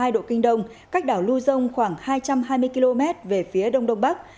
một trăm hai mươi bốn hai độ kinh đông cách đảo lưu dông khoảng hai trăm hai mươi km về phía đông đông bắc